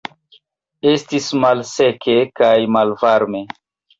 Estis malseke kaj malvarme.